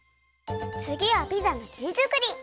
つぎはピザのきじづくり。